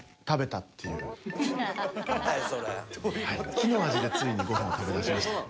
木の味でついにごはんを食べました。